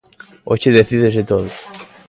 Hoxe decídese todo.